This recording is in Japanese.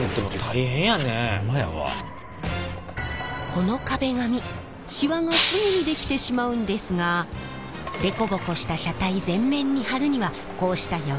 この壁紙シワがすぐに出来てしまうんですがデコボコした車体全面に貼るにはこうした柔らかい素材が最適。